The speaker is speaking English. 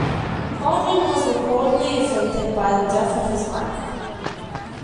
Baldwin was reportedly afflicted by the death of his wife.